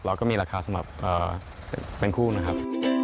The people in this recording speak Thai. เราก็มีราคาสำหรับเป็นคู่นะครับ